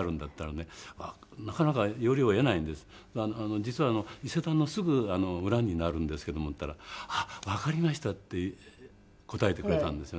「実は伊勢丹のすぐ裏になるんですけども」って言ったら「あっわかりました」って答えてくれたんですよね。